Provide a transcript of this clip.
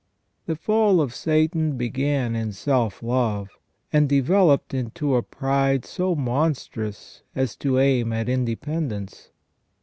The fall of Satan began in self love, and developed into a pride so monstrous as to aim at independence.